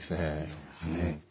そうですね。